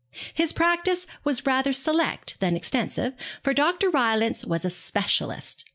His practice was rather select than extensive, for Dr. Rylance was a specialist.